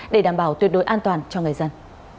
để đảm bảo tuyệt đối an toàn cho người dân